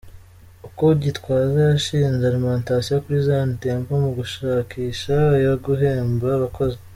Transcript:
Uko Gitwaza yashinze Alimentation kuri Zion Temple mu gushakisha ayo guhemba abakozi.